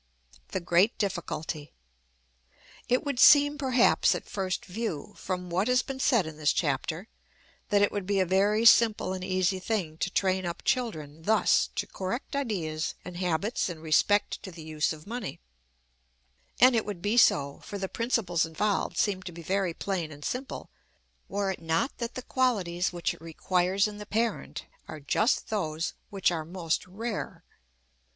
The great Difficulty. It would seem, perhaps, at first view, from what has been said in this chapter, that it would be a very simple and easy thing to train up children thus to correct ideas and habits in respect to the use of money; and it would be so for the principles involved seem to be very plain and simple were it not that the qualities which it requires in the parent are just those which are most rare.